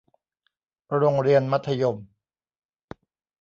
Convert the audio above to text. โรงเรียนมัธยม